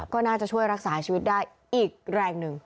ก็น่าจะช่วยรักษาชีวิตได้อีกแรงหนึ่ง